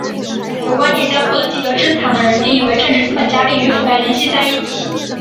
有观念将获得既得资产的人定义为政治资本家并与腐败联系在一起。